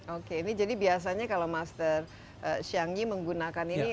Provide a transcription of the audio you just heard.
oke jadi biasanya kalau master xiangyi menggunakan ini